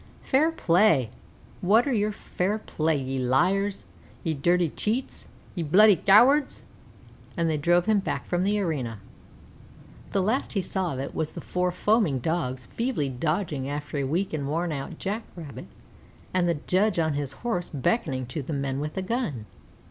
"Fair play! Whayer's yer fair play, ye liars, ye dhirty cheats, ye bloody cowards!" And they drove him from the arena. The last he saw of it was the four foaming Dogs feebly dodging after a weak and worn out Jack rabbit, and the judge on his Horse beckoning to the man with the gun.